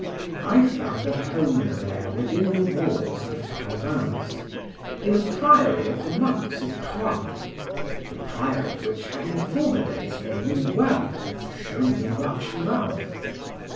I found a home there within the walls of Provins, in a priory of the monks of Troyes, the prior of which had in former days known me well and shown me much love.